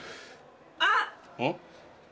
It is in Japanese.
あっ！